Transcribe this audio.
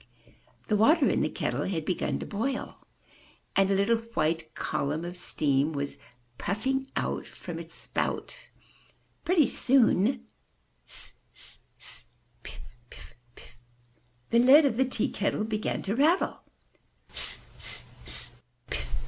The water in the kettle had begun to boil and a little white column of steam was puffing out from its spout. Pretty soon, S s s! S s s! Piff! Piff! Piff! the lid of the tea kettle began to rattle.